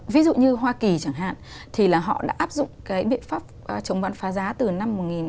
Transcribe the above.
ví dụ như hoa kỳ chẳng hạn thì là họ đã áp dụng cái biện pháp chống bận phá giá từ năm một nghìn chín trăm linh hai